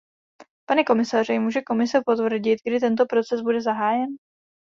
Pane komisaři, může Komise potvrdit, kdy tento proces bude zahájen?